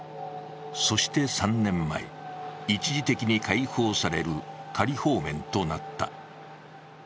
そして３年前、一時的に解放される仮放免となった。